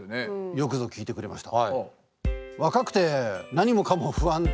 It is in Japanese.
よくぞ聞いてくれました。